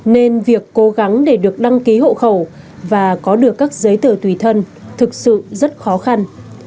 nên việc cố gắng để được đăng ký hộ khẩu và có được các giấy tờ tùy thân thực sự rất khó khăn